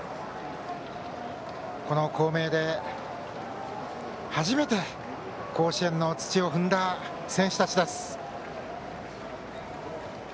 この校名で初めて甲子園の土を踏んだ選手たちです。